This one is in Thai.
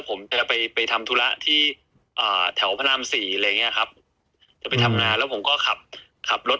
ผมจะไปไปทำธุระที่แถวพระรามสี่อะไรอย่างเงี้ยครับจะไปทำงานแล้วผมก็ขับรถ